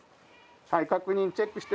はい、確認、チェックして。